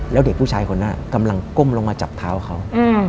แล้วเด็กผู้ชายคนนั้นกำลังก้มลงมาจับเท้าเขา